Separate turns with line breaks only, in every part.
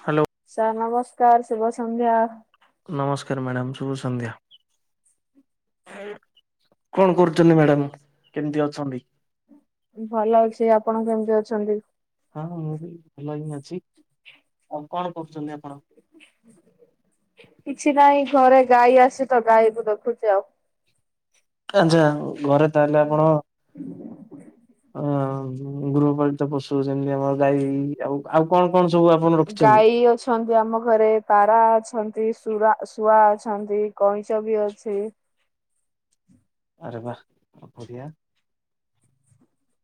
Hello.
Sir ନମସ୍କାର ଶୁଭ ସନ୍ଧ୍ୟା।
ନମସ୍କାର ମ୍ୟାଡ଼ାମ୍ ଶୁଭ ସନ୍ଧ୍ୟା। ହେଇ କଣ କରୁଚନ୍ତି ମ୍ୟାଡାମ୍ କେମିତି ଅଛନ୍ତି?
ମୁଁ ଭଲ ଅଛି ଆପଣ କେମିତି ଅଛନ୍ତି?
ହଁ ମୁଁ ବି ଭଲ ହିଁ ଅଛି ଆଉ କଣ କରୁଚନ୍ତି ଆପଣ?
କିଛି ନାହିଁ ଘରେ ଗାଈ ଆସେ ତ ଗାଈକୁ ଦେଖୁଚି ଆଉ।
ଆଚ୍ଛା ଘରେ ତାହେଲେ ଆପଣ ହଁ ଗୃହପାଳିତ ପଶୁ ଯେମିତି ଆମର ଗାଈ ଆଉ ଆଉ କଣ କଣ ସବୁ ଅ
ଗାଈ ଅଛ ଅଛନ୍ତି ଆମ ଘରେ ପାରା ଅଛନ୍ତି ଶୁରା ଶୁଆ ଅଛନ୍ତି କଇଁଚ ବି ଅଛି।
ଆରେ ବା କଣ କରିବା?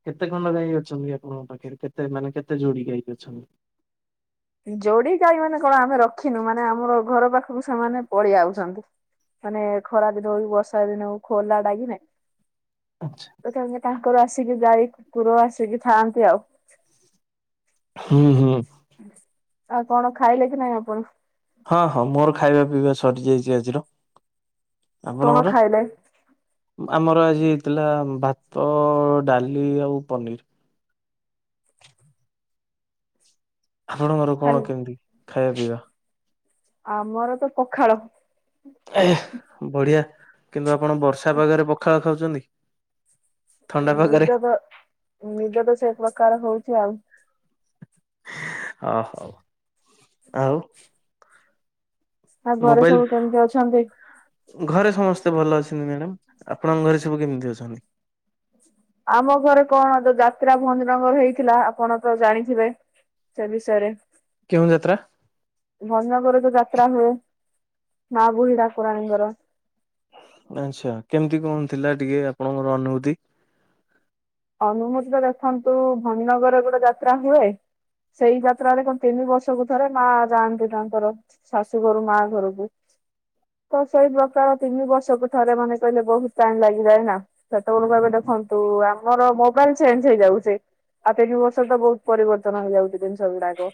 କେତେ ଖଣ୍ଡ ଗାଈ ଅଛନ୍ତି ଆପଣଙ୍କ ପାଖରେ କେତେ ମାନେ କେତେ ଯୋଡି ଗାଈ ଅଛନ୍ତି?
ଯୋଡିି ଗାଈ ମାନେ କଣ ଆମେ ରଖିନୁ ମାନେ ଆମର ଘର ପାଖକୁ ସେମାନେ ପଳେଇ ଆଉଛନ୍ତି। ମାନେ ଖରା ଦିନ ହଉ ବର୍ଷା ଦିନ ହଉ ଖୋଲା ଡାଗି ନେ
ଆଚ୍ଛା।
ତଥାପି ତାଙ୍କର ଆସିକି ଗାଈ କୁକୁର ଆସିକି ଥାଆନ୍ତି ଆଉ।
ହୁଁ ହୁଁ।
ଆଉ କଣ ଖାଇଲେ କି ନାଇଁ ଆପଣ?
ହଁ ହଁ ମୋର ଖାଇବା ପିଇବା ସରି ଯାଇଚି ଆଜିର।
କଣ
ଆପଣଙ୍କର
ଖାଇଲେ?
ଆମର ଆଜି ହେଇଥିଲା ଭାତ ଡାଲି ଆଉ ପନିର୍। ଆପଣଙ୍କର କଣ
ଖାଲି
କେମିତି ଖାଇବା ପିଇବା?
ଆମର ତ ପଖାଳ।
ଏ ହେ ବଢିଆ କିନ୍ତୁ ଆପଣ ବର୍ଷା ପାଗରେ ପଖାଳ ଖାଉଚନ୍ତି?
ନିଦ ତ ନିଦ ତ ସେଇ ପ୍ରକାର ହଉଚି ଆଉ।
ଓହୋ ଆଉ।
ଆଉ ଘରେ
ମୋବାଇଲ
ସବୁ କେମିତି ଅଛନ୍ତି?
ଘରେ ସମସ୍ତେ ଭଲ ଅଛନ୍ତି ମ୍ୟାଡାମ ଆପଣଙ୍କ ଘରେ ସବୁ କେମିତି ଅଛନ୍ତି?
ଆମ ଘରେ କଣ ଯୋଉ ଯାତ୍ରା ଭଞ୍ଜନଗର ହେଇଥିଲା ଆପଣ ତ ଜାଣିଥିବେ। ସେ ବିଷୟରେ।
କେଉଁ ଯାତ୍ରା?
ଭଞ୍ଜନଗର ଯୋଉ ଯାତ୍ରା ହୁଏ ମା ବୁଢ଼ୀ ଠାକୁରାଣୀ ଦ୍ୱାରା।
ଆଚ୍ଛା କେମିତି କଣ ଥିଲା ଟିକେ ଆପଣଙ୍କର ଅନୁଭୂତି?
ଅନୁଭୂତି ତ ଦେଖନ୍ତୁ ଭନଗରରେ ଗୋଟେ ଯାତ୍ରା ହୁଏ। ସେଇ ଯାତ୍ରାରେ କଣ ତିନି ବର୍ଷକୁ ଥରେ ମା ଯାଆନ୍ତି ତାଙ୍କର। ଶାଶୁ ଘରୁ ମା ଘରକୁ। ତ ସେଇ ପ୍ରକାର ତିନି ବର୍ଷକୁ ଥରେ ମାନେ କହିଲେ ବହୁତ ଟାଇମ ଲାଗିଯାଏ ନା। ସେତେବେଳକୁ ଏବେ ଦେଖନ୍ତୁ ଆ ଆମର ମୋବାଇଲ ଚେଞ୍ଜ ହେଇଯାଉଛି ଆଉ ତିନି ବର୍ଷ ତ ବହୁତ ପରିବର୍ତ୍ତନ ହେଇଯାଉଛି ଜିନିଷ ଗୁଡାକ।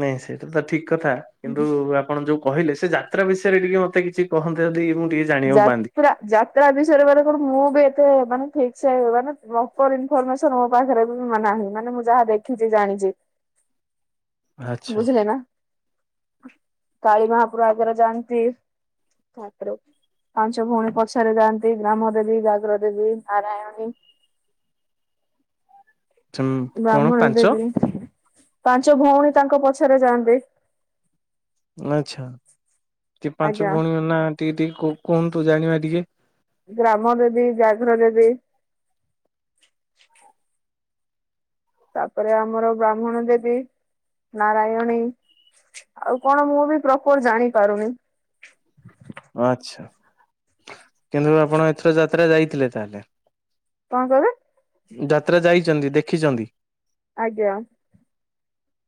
ନାଇଁ ସେଇଟା ତ ଠିକ୍ କଥା। କିନ୍ତୁ ଆପଣ ଯୋଉ କହିଲେ ସେ ଯାତ୍ରା ବିଷୟରେ ଟିକେ ମତେ କିଛି କହନ୍ତେ ଯଦି ମୁଁ ଟିକେ ଜାଣିବାକୁ ପାଆନ୍ତି।
ଯାତ୍ରା ଯାତ୍ରା ବିଷୟରେ ମାନେ କଣ ମୁଁ ବି ଏତେ ମାନେ ଠିକ୍ ସେ ମାନେ ପ୍ରପର ଇନ୍ଫରମେସନ୍ ମୋ ପାଖରେ ନାହିଁ ମାନେ ମୁଁ ଯାହା ଦେଖିଛି ଜଣିଛି।
[inaudible]
ବୁଝିଲେ ନା କାଳିମାପୁରୁ ଆଗରେ ଯାଆନ୍ତି। ଛାତ୍ରୋ ପାଞ୍ଚ ଭଉଣୀ ପଛରେ ଯାଆନ୍ତି ଗ୍ରାମ ଦେବୀ ଘାଗ୍ର ଦେବୀ ନାରାୟଣୀ
କଣ
ବ୍ରାହ୍ମଣୀ
ପାଞ୍ଚ
ଦେବୀ ପାଞ୍ଚ ଭଉଣୀ ତାଙ୍କ ପଛରେ ଯାଆନ୍ତି।
ଆଚ୍ଛା ଟିକେ ପାଞ୍ଚ
ଆଜ୍ଞା।
ଭଉଣୀ ନା ଟିକେ ଟିକେ କୁ କୁହନ୍ତୁ ଜାଣିବା ଟିକେ।
ଗ୍ରାମଦେବୀ ବ୍ୟାଘ୍ରଦେବୀ ତାପରେ ଆମର ବ୍ରାହ୍ମଣଦେବୀ ନାରାୟଣୀ ଆଉ କଣ ମୁଁ ବି ପ୍ରପର ଜାଣିପାରୁନି
ଆଚ୍ଛା କିନ୍ତୁ ଆପଣ ଏଥର ଯାତ୍ରା ଯାଇଥିଲେ ତାହେଲେ
କଣ କହିଲେ?
ଯାତ୍ରା ଯାଇଛନ୍ତି ଦେଖିଛନ୍ତି।
ଆଜ୍ଞା
[inaudible]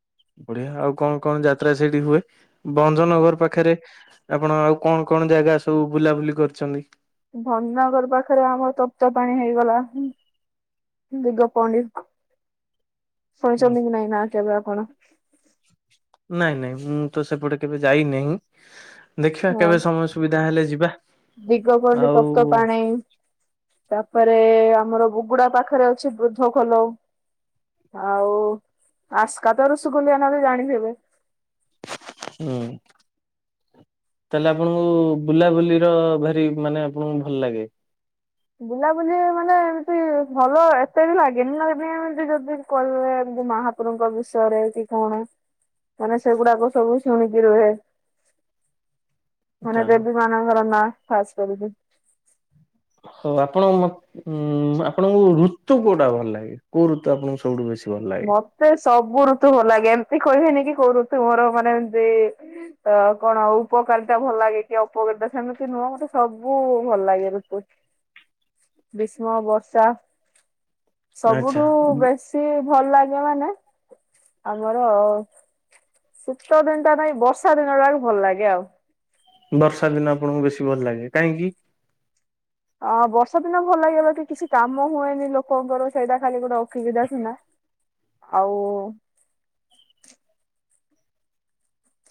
ବଢିଆ ଆଉ କଣ କଣ ଯାତ୍ରା ସେଇଠି ହୁଏ ଭଞ୍ଜନଗର ପାଖରେ ଆପଣ ଆଉ କଣ କଣ ଜାଗା ସବୁ ବୁଲାବୁଲି କରିଛନ୍ତି?
ଭଞ୍ଜନଗର ପାଖରେ ଆମର ତପ୍ତପାଣି ହେଇଗଲା ଦିଗ ପଣ୍ଡି ଶୁଣିଛନ୍ତି କି ନାଇଁ ନା କେବେ ଆପଣ?
ନାଇଁ ନାଇଁ ମୁଁ ତ ସେପଟେ କେବେ ଯାଇନାହିଁ ଦେଖିବା କେବେ ସମୟ ସୁବିଧା ହେଲେ ଯିବା।
ଦିଗ ପଡି
ଆଉ ହୁଁ
ତପ୍ତପାଣି ତାପରେ ଆମର ବୁଗୁଡା ପାଖରେ ଅଛି ବୃଦ୍ଧ ଖୋଲ। ଆଉ ଆସ୍କା ତ ରୁଷୁକୁଲିଆ ନଦୀ ଜାଣିଥିବେ।
ହୁଁ ତାହେଲେ ଆପଣଙ୍କୁ ବୁଲାବୁଲି ର ଭାରି ମାନେ ଆପଣଙ୍କୁ ଭଲ ଲାଗେ।
ବୁଲା ବୁଲି ମାନେ ଏମିତି ଭଲ ଏତେ ବି ଲାଗେନି ଲାଗେନି ଏମତି ଯଦି କହିଲେ ମା ଠାକୁରଙ୍କ ବିଷୟରେ କି କଣ ମାନେ ସେଗୁଡାକ ସବୁ ଶୁଣିକି ରୁହେ।
[inaudible]
ମାନେ ଦେବୀ ମାନଙ୍କର ନା ଖାସ୍ କରିକି।
ହଉ ଆପଣଙ୍କ ମ ଉଁ ଆପଣଙ୍କୁ ଋତୁ କୋଉଟା ଭଲ ଲାଗେ କୋଉ ଋତୁ ଆପଣଙ୍କୁ ସବୁଠୁ ବେଶୀ ଭଲ ଲାଗେ?
ମତେ ସବୁ ଋତୁ ଭଲ ଲାଗେ ଏମତି କହିବେନି କି କୋଉ ଋତୁ ମୋର ମାନେ ଏମତି ତ କଣ ଉପକାରିତା ଭଲ ଲାଗେ କି ଅପକାରିତା ସେମିତି ନୁହଁ ମତେ ସବୁ ଭଲ ଲାଗେ ଋତୁ।
[inaudible]
ଗ୍ରୀଷ୍ମ ବର୍ଷା
ଆଚ୍ଛା
ସବୁଠୁ ବେଶୀ ଭଲ ଲାଗେ ମାନେ ଆମର ଶୀତ ଦିନ ଟା ନାଇଁ ବର୍ଷା ଦିନଟାକ ଭଲ ଲାଗେ ଆଉ।
ବର୍ଷା ଦିନ ଆପଣଙ୍କୁ ବେଶୀ ଭଲ ଲାଗେ କାହିଁକି?
ଅ ବର୍ଷା ଦିନ ଭଲ ଲାଗିବ କି କିଛି କାମ ହୁଏନି ଲୋକଙ୍କର ସେଇଟା ଖାଲି ଗୋଟେ ଅସୁବିଧା ସିନା ଆଉ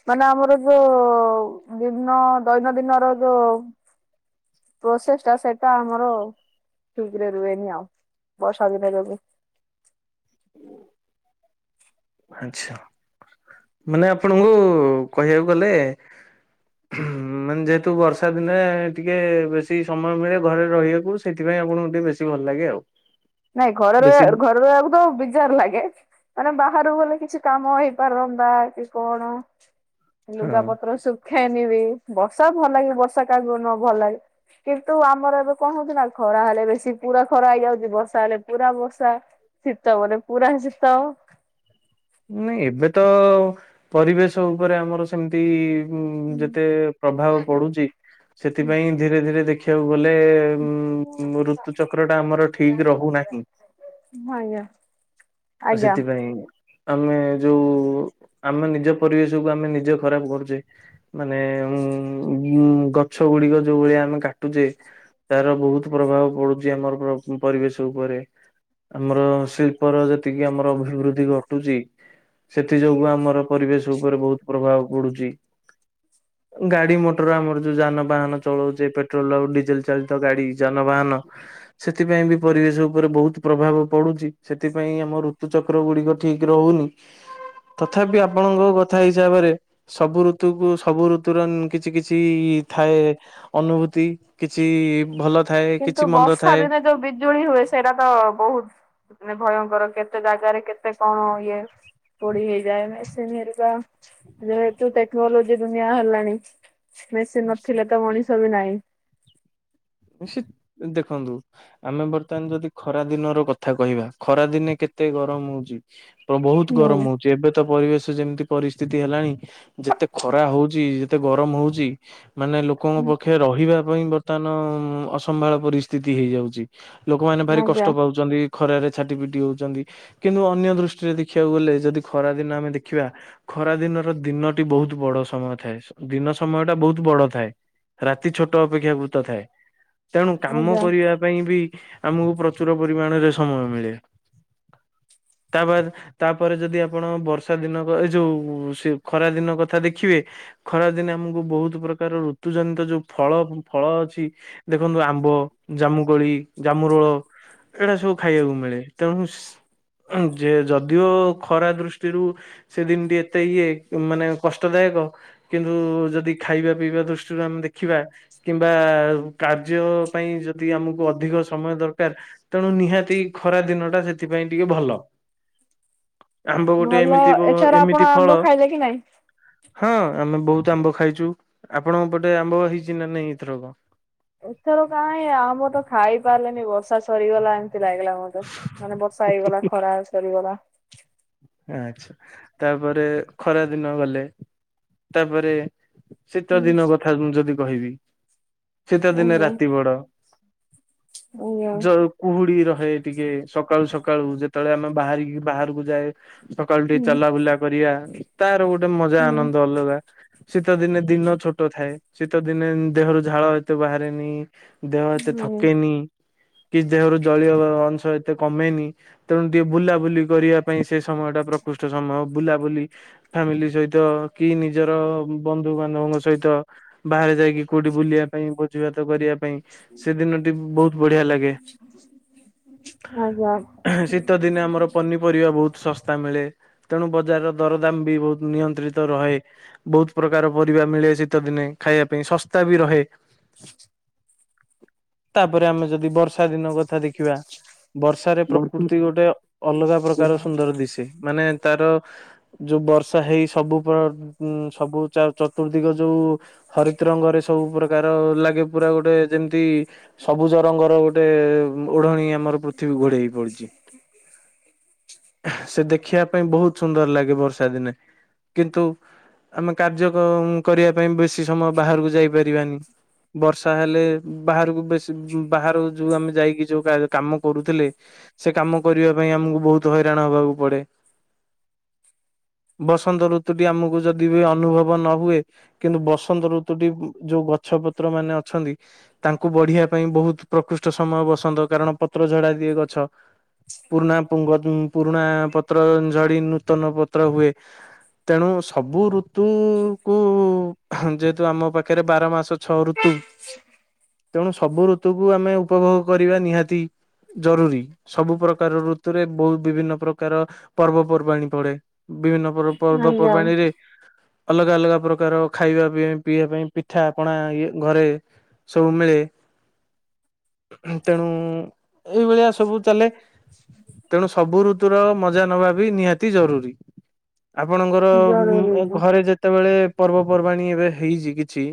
ମାନେ ଆମର ଯୋଉ ଭିନ୍ନ ଦୈନନ୍ଦିନର ଯୋଉ ପ୍ରୋସେସ ଟା ସେଇଟା ଆମର ଠିକରେ ରୁହେନି ଆଉ ବର୍ଷା ଦିନେ ଯଦି
ଆଛା ମାନେ ଆପଣଙ୍କୁ କହିବାକୁ ଗଲେ ହୁଁ ମାନେ ଯେହେତୁ ବର୍ଷା ଦିନେ ଟିକେ ବେଶୀ ସମୟ ମିଳେ ଘରେ ରହିବାକୁ ସେଥିପାଇଁ ଆପଣଙ୍କୁ ଟିକେ ବେଶୀ ଭଲ ଲାଗେ ଆଉ।
ନାଇଁ ଘରରେ
ବେଶୀ
ଘରେ ରହିଆକୁ ତ ବିସ ଚାର ଲାଗେ ମାନେ ବାହାରକୁ ଗଲେ କିଛି କାମ ହେଇପାରନ୍ତା ବା କି କଣ
ହଁ
ଲୁଗା ପତ୍ର ସୁୁଖାଇନ ବିି ବର୍ଷା ଭଲ ଲାଗେ ବର୍ଷା କାହାକୁ ନ ଭଲ ଲାଗେ। କିନ୍ତୁ ଆମର ଏବେ କଣ ହଉଛି ନା ଖରା ହେଲେ ବେଶୀ ପୁରା ଖରା ହେଇଯାଉଛି ବର୍ଷା ତାଲେ ପୁରା ବର୍ଷା ଶୀତ ବୋଲେ ପୁରା ଶୀତ
ନାଇଁ ଏବେ ତ ପରିବେଶ ଉପରେ ଆମର ସେମିତି ଉଁ ଯେତେ ପ୍ରଭାବ ପଡୁଚି। ସେଥିପାଇଁ ଧୀରେ ଧୀରେ ଦେଖିବାକୁ ଗଲେ ଉଁଉଁ ଋତୁଚକ୍ର ଟା ଆମର ଠିକ ରହୁନାହିଁ।
ଆଜ୍ଞା ଆଜ୍ଞା
ସେଥିପାଇଁ ଆମେ ଯୋଉ ଆମେ ନିଜ ପରିବେଶ କୁ ଆମେ ନିଜେ ଖରାପ କରୁଛେ। ମାନେ ଉଁଉ ଗଛ ଗୁଡିକ ଯୋଉ ଭଳିଆ ଆମେ କାଟୁଚେ ତାର ବହୁତ ପ୍ରଭାବ ପଡୁଛି ଆମର [unintelligible] ପରିବେଶ ଉପରେ। ଆମର ଶିଳ୍ପର ଯେତିକି ଆମର ଅଭିବୃଦ୍ଧି ଘଟୁଚି ସେଥି ଯୋଗୁ ଆମର ପରିବେଶ ଉପରେ ବୋହୁତ ପ୍ରଭାବ ପଡୁଛି। ଗାଡି ମଟର ଆମର ଯୋଉ ଯାନବାହାନ ଚଳଉଚେ ପେଟ୍ରୋଲ ଆଉ ଡିଜେଲ ଚାଳିତ ଗାଡି ଯାନବାହନ ସେଥିପାଇଁ ବି ପରିବେଶ ଉପରେ ବୋହୁତ ପ୍ରଭାବ ପଡୁଚି। ସେଥିପାଇଁ ଆମ ଋତୁ ଚକ୍ର ଗୁଡିକ ଠିକ ରହୁନି। ତଥାପି ଆପଣଙ୍କ କଥା ହିସାବରେ ସବୁ ଋତୁ କୁ ସବୁ ଋତୁର ଉଁ କିଛି କିଛି ଥାଏ ଅନୁଭୂତି କିଛି ଭଲ ଥାଏ
କିନ୍ତୁ
କିଛି ମନ୍ଦ
ବର୍ଷା
ଥାଏ।
ଦିନେ ଯୋଉ ବିଜୁଳି ହୁଏ ସେଇଟା ତ ବୋହୁତ ମାନେ ଭୟଙ୍କର କେତେ ଜାଗାରେ କେତେ କଣ ଇଏ ପୋଡି ହେଇଯାଏ ମେସିନ ହେରିକା ଯେହେତୁ ଟେକ୍ନୋଲୋଜି ଦୁନିଆ ହେଲାଣି। ମେସିନ ନଥିଲେ ତ ମଣିଷ ବି ନାହିଁ।
ସେ ଦେଖନ୍ତୁ ଆମେ ବର୍ତ୍ତମାନ ଯଦି ଖରା ଦିନର କଥା କହିବା ଖରା ଦିନେ କେତେ ଗରମ ହଉଚି। ବ ବୋହୁତ ଗରମ
ହୁଁ
ହୋ ଏବେ ତ ପରିବେଶ ଯେମିତି ପରିସ୍ଥିତି ହେଲାଣି ଯେତେ ଖରା ହଉଚି ଯେତେ ଗରମ ହଉଚି ମାନେ ଲୋକଙ୍କ ପକ୍ଷେ ରହିବା ପାଇଁ ବର୍ତ୍ତମାନ ଉଁ ଅସମ୍ଭାଳ ପରିସ୍ଥିତି ହେଇଯାଉଚି। ଲୋକମାନେ ଭାରି
ଆଜ୍ଞା
କଷ୍ଟ ପାଉଚନ୍ତି। ଖରାରେ ଛାଟି ପିଟି ହଉଚନ୍ତି କିନ୍ତୁ ଅନ୍ୟ ଦୃଷ୍ଟିରେ ଦେଖିବାକୁ ଗଲେ ଯଦି ଖରା ଦିନ ଆମେ ଦେଖିବା ଖରା ଦିନର ଦିନଟି ବୋହୁତ ବଡ ସମୟ ଥାଏ ଦିନ ସମୟ ଟା ବୋହୁତ ବଡ ଥାଏ। ରାତି ଛୋଟ ଅପେକ୍ଷା ବୃତ ଥାଏ। ତେଣୁ କାମ
ଆଜ୍ଞା।
କରିବା ପାଇଁ ବି ଆମକୁ ପ୍ରଚୁର ପରିମାଣରେ ସମୟ ମିଳେ। ତା ବାଦ୍। ତାପରେ ଯଦି ଆପଣ ବର୍ଷା ଦିନ କ ଏ ଯୋଉ ଖରା ଦିନ କଥା ଦେଖିବେ ଖରାଦିନେ ଆମକୁ ବୋହୁତ ପ୍ରକାର ଋତୁ ଜନିତ ଯୋଉ ଫଳ ଫଳ ଅଛି ଦେଖନ୍ତୁ ଆମ୍ବ, ଜାମୁକୋଳି, ଜାମୁ ରୋଳ। ହେରା ସବୁ ଖାଇବାକୁ ମିଳେ ତେଣୁ ଶ୍ ଯେ ଯଦିଓ ଖରା ଦୃଷ୍ଟିରୁ ସେ ଦିନଟି ଏତେ ଇଏ ମାନେ କଷ୍ଟଦାୟକ କିନ୍ତୁ ଯଦି ଖାଇବା ପିଇବା ଦୃଷ୍ଟିରୁ ଆମେ ଦେଖିବା କିମ୍ବା କାର୍ଯ୍ୟ ପାଇଁ ଯଦି ଆମକୁ ଅଧିକ ସମୟ ଦରକାର ତେଣୁ ନିହାତି ଖରା ଦିନ ଟା ସେଥିପାଇଁ ଟିକେ ଭଲ। ଆମ୍ବ ଗୋଟେ
ଭଲ
ଏମିତି ବ
ଏଥର ଆପଣ
ଏମିତି
ଆମ୍ବ
ଫଳ
ଖାଇଲେ କି ନାଇଁ?
ହଁ ଆମେ ବହୁତ ଆମ୍ବ ଖାଇଛୁ ଆପଣଙ୍କ ପଟେ ଆମ୍ବ ହେଇଛି ନା ନାଇଁ ଏଥର କ
ଏଥର କାହିଁ ଆମର ତ ଖାଇ ପାରିଲେନି ବର୍ଷା ସରିଗଲାଣି। ଲାଗିଲା ମତେ ମାନେ ବର୍ଷା ହେଇଗଲା ଖରା ସରିଗଲା।
ଆଚ୍ଛା ତାପରେ ଖରା ଦିନ ଗଲେ ତାପରେ ଶୀତଦିନ କଥା ମୁଁ ଯଦି କହିବି ଶୀତଦିନେ
ଆଜ୍ଞା
ରାତି ବଡ
ଆଜ୍ଞା
ଜଉ କୁହୁଡି ରହେ ଟିକେ ସକାଳୁ ସକାଳୁ ଯେତେବେଳେ ଆମେ ବାହାରିକି ବାହାରକୁ ଯାଏ ସକାଳୁ ଟିକେ
ହୁଁ
ଚଲାବୁଲା କରିବା ତାର ଗୋଟେ ମଜା
ହୁଁ
ଆନନ୍ଦ ଅଲଗା। ଶୀତଦିନେ ଦିନ ଛୋଟ ଥାଏ ଶୀତଦିନେ ଦେହରୁ ଝାଳ ଏତେ ବାହାରେନି। ଦେହ ଏତେ
ହୁଁ
ଥକେନି। କି ଦେହରୁ ଜଳୀୟ ଅଂଶ ଏତେ କମେନି ତେଣୁ ଟିକେ ବୁଲାବୁଲି କରିବା ପାଇଁ ସେ ସମୟ ଟା ପ୍ରକୃଷ୍ଟ ସମୟ ବୁଲାବୁଲି ଫ୍ୟାମିଲି ସହିତ କି ନିଜର ବନ୍ଧୁ ବାନ୍ଧବଙ୍କ ସହିତ ବାହାରେ ଯାଇକି କୋଉଠି ବୁଲିବା ପାଇଁ ଭୋଜି ଭାତ କରିବା ପାଇଁ ସେ ଦିନଟି ବହୁତ ବଢିଆ ଲାଗେ।
ଆଜ୍ଞା
ଶୀତ ଦିନେ ଆମର ପନିପରିବା ବହୁତ ଶସ୍ତା ମିଳେ ତେଣୁ ବଜାରର ଦରଦାମ ବି ବହୁତ ନିୟନ୍ତ୍ରିତ ରହେ। ବହୁତ ପ୍ରକାର ପରିବା ମିଳେ ଶୀତ ଦିନେ ଖାଇବା ପାଇଁ ଶସ୍ତା ବି ରହେ।
[inaudible]
ତାପରେ ଆମେ ଯଦି ବର୍ଷା ଦିନ କଥା ଦେଖିବା ବର୍ଷାରେ ପ୍ରକୃତି ଗୋଟେ ଅଲଗା ପ୍ରକାର ସୁନ୍ଦର ଦିଶେ ମାନେ ତାର ଯୋଉ ବର୍ଷା ହେଇ ସବୁ ପ୍ର ସବୁ ଚା ଚତୁର୍ଦିଗ ଯୋଉ ହରିତ ରଙ୍ଗରେ ସବୁ ପ୍ରକାର ଲାଗେ ପୁରା ଗୋଟେ ଯେମିତି ସବୁଜ ରଙ୍ଗର ଗୋଟେ ଓଢଣୀ ଆମର ପୃଥିବୀ ଘୋଡେଇ ହେଇପଡିଛି।
[inaudible]
ସେ ଦେଖିବା ପାଇଁ ବହୁତ ସୁନ୍ଦର ଲାଗେ ବର୍ଷା ଦିନେ କିନ୍ତୁ ଆମେ କାର୍ଯ୍ୟ କରିବା ପାଇଁ ବେଶି ସମୟ ବାହାରକୁ ଯାଇପାରିବାନି। ବର୍ଷା ହେଲେ ବାହାରକୁ ବେଶୀ ବାହାର ଯୋଉ ଆମେ ଯାଇକି ଯୋଉ କାମ କରୁଥିଲେ ସେ କାମ କରିବା ପାଇଁ ଆମକୁ ବହୁତ ହଇରାଣ ହବାକୁ ପଡେ। ବସନ୍ତ ଋତୁଟି ଆମକୁ ଯଦି ବି ଅନୁଭବ ନ ହୁଏ କିନ୍ତୁ ବସନ୍ତ ଋତୁଟି ଯୋଉ ଗଛପତ୍ର ମାନେ ଅଛନ୍ତି ତାଙ୍କୁ ବଢିବା ପାଇଁ ବହୁତ ପ୍ରକୃଷ୍ଟ ସମୟ ବସନ୍ତ କାରଣ ପତ୍ର ଝଡା ଦିଏ ଗଛ ପୁରୁଣା ପୁଙ୍ଗତ ପୁରୁଣା ପତ୍ର ଝଡି ନୂତନ ପତ୍ର ହୁଏ ତେଣୁ ସବୁ ଋ ତୁ କୁ ଯେହେତୁ ଆମ ପାଖରେ ବାର ମାସ ଛଅ ଋତୁ ତେଣୁ ସବୁ ଋ ଋତୁକୁ ଆମେ ଉପଭୋଗ କରିବା ନିହାତି ଜରୁରୀ ସବୁ ପ୍ରକାର ଋତୁରେ ବହୁତ ବିଭିନ୍ନ ପ୍ରକାର ପର୍ବପର୍ବାଣୀ ପଡେ ବିଭିନ୍ନ ପ
ଆଜ୍ଞା
ପର୍ବପର୍ବାଣୀରେ ଅଲଗା ଅଲଗା ପ୍ରକାର ଖାଇବା ପିଇ ପିଇବା ପାଇଁ ପିଠାପଣା ଇଏ ଘରେ ସବୁ ମିଳେ ତେଣୁ ଏଇ ଭଳିଆ ସବୁ ଚାଲେ। ତେଣୁ ସବୁ ଋତୁର ମଜା ନେବା ବି ନିହାତି ଜରୁରୀ। ଆପଣଙ୍କର ଉଁ
ଜରୁରୀ
ଏ ଘରେ ଯେତ ତେବେଳେ ପର୍ବପର୍ବାଣିୀ ଏବେ ହେଇଛି କିଛି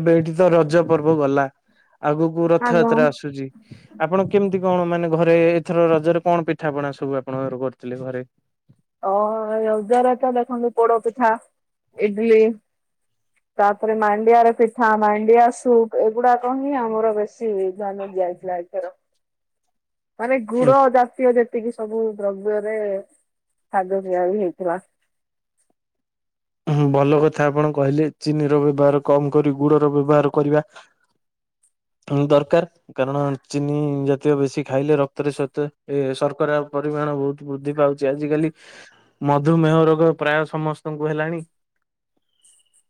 ଏବେ ଏଇଠି ତ ରଜ ପର୍ବ ଗଲା ଆଗକୁ
ଆଜ୍ଞା।
ରଥଯାତ୍ରା ଆସୁଛି ଆପଣ କେମିତି କଣ ମାନେ ଘରେ ଏଥର ରଜରେ କଣ ପ ଠାପଣା ସବୁ ଆପଣଙ୍କର କରିଥିଲେ ଘରେ?
ହଁ ରଜରେ ତ ଦେଖନ୍ତୁ ପୋଡପିଠା ଇଡଲି
[inaudible]
ତା ପରେ ମାଣ୍ଡିଆରେ ପିଠା, ମାଣ୍ଡିଆ ସୁପ୍ ଏଗୁଡାକ ହିଁ ଆମର ବେଶି ଧ୍ୟାନ ଦିଆଯାଇଥିଲା। ଏଥର।
[inaudible]
ମାନେ
ଉଁ
ଗୁଡ ଜାତୀୟ ଯେତିକି ସବୁ ଦ୍ରବ୍ୟରେ ଖାଦ୍ୟ ତିଆରି ହେଇଥିଲା।
ହୁଁ ଭଲ କଥା ଆପଣ କହିଲେ, ଚିନିର ବ୍ୟବହାର କମ୍ କରି ଗୁଡର ବ୍ୟବହାର କରିବା ଦରକାର। କାରଣ ଚିନି ଜାତୀୟ ବେଶୀ ଖାଇଲେ ରକ୍ତରେ ଶ୍ବେତ ଏ ଶର୍କରା ପରିମାଣ ବହୁତ ବୃଦ୍ଧି ପାଉଛି ଆଜିିକାଲି। ମଧୁମେହ ରୋଗ ପ୍ରାୟ ସମସ୍ତଙ୍କୁ ହେଲାଣି। [inaudible]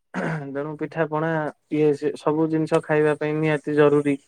ତେଣୁ ପିଠାପଣା ଇଏ ସେ ସବୁ ଜିନିଷ ଖାଇବା ପାଇଁ ନିହାତି ଜରୁରୀ।